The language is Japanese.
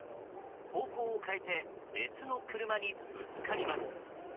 方向を変えて別の車にぶつかります。